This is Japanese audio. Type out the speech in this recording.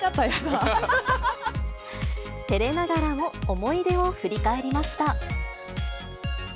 てれながらも思い出を振り返りました。